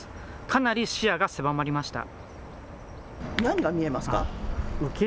かなり視野が狭まりました。